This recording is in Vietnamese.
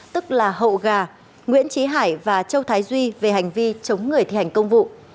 tức là hậu gà nguyễn trí hải và châu thái duy về hành vi chống người thi hành công vụ